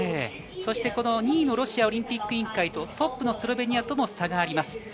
そして、２位のロシアオリンピック委員会とトップのスロベニアとも差があります。